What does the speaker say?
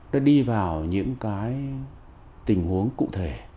đã đi vào những cái tình huống cụ thể